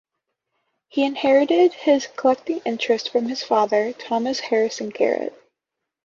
He inherited his collecting interest from his father, Thomas Harrison Garrett.